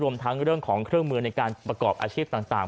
ทั้งเรื่องของเครื่องมือในการประกอบอาชีพต่าง